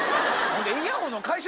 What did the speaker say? イヤホンの回収